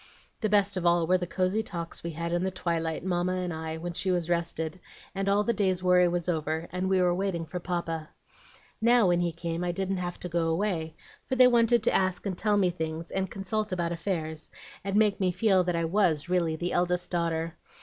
"The best of all were the cosey talks we had in the twilight, Mamma and I, when she was rested, and all the day's worry was over, and we were waiting for Papa. Now, when he came, I didn't have to go away, for they wanted to ask and tell me things, and consult about affairs, and make me feel that I was really the eldest daughter.